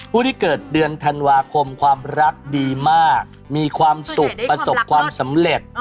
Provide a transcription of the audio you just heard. ผู้ที่เกิดเดือนธันวาคมความรักดีมากมีความสุขประสบความสำเร็จ